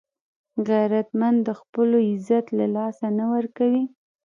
غیرتمند د خپلو عزت له لاسه نه ورکوي